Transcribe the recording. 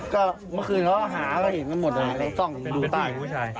ก็เมื่อคืนเขาหาเขาเห็นกันหมดเลยต้องต้องดูตายเป็นผู้หญิงผู้ชาย